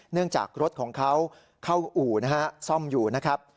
เนื่องจากรถของเขาเข้าอู่นะฮะซ่อมอยู่นะครับ